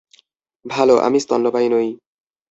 ভালো, আমি স্তন্যপায়ী নই।